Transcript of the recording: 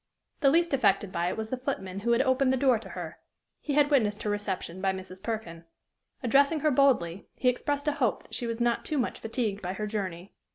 The least affected by it was the footman who had opened the door to her: he had witnessed her reception by Mrs. Perkin. Addressing her boldly, he expressed a hope that she was not too much fatigued by her journey.